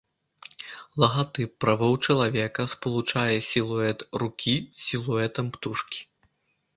Лагатып правоў чалавека спалучае сілуэт рукі з сілуэтам птушкі.